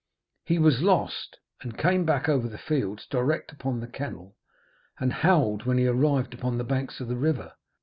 He was lost, and came back over the fields direct upon the kennel, and howled when he arrived on the banks of the river.